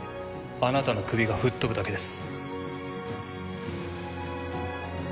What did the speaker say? あなたの首が吹っ飛ぶだけです。